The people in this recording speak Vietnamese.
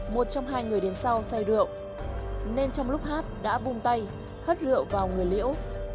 một trong hai người đến sau say rượu nên trong lúc hát đã vung tay hất rượu vào người liễu